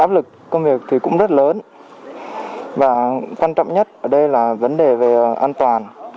áp lực công việc thì cũng rất lớn và quan trọng nhất ở đây là vấn đề về an toàn